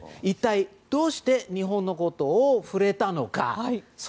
一体どうして日本のことを触れたのか。